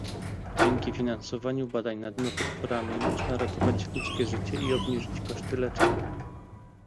Dzięki finansowaniu badań nad nowotworami można ratować ludzkie życie i obniżyć koszty leczenia